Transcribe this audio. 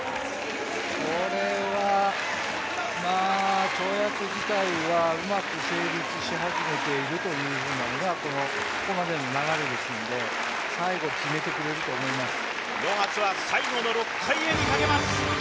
これは跳躍自体はうまく成立し始めているというのがここまでの流れですので、最後決めてくれると思います。